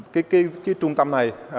cái trung tâm này